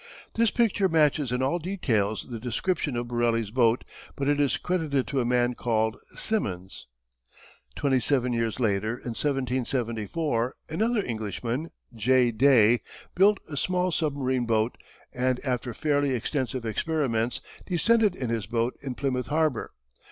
This picture matches in all details the description of Borelli's boat, but it is credited to a man called Symons. Twenty seven years later, in 1774, another Englishman, J. Day, built a small submarine boat, and after fairly extensive experiments, descended in his boat in Plymouth harbour.